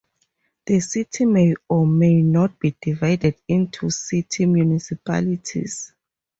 The city may or may not be divided into "city municipalities".